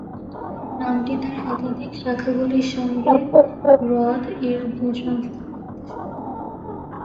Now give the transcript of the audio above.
নামটি তার একাধিক শাখাগুলির সঙ্গে হ্রদ এর ভূসংস্থান নির্দেশক।